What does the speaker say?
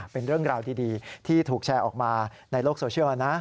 เป็นเรื่องราวดีที่ถูกแชร์ออกมาในโลกโซเชียลนะ